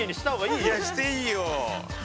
いやしていいよ。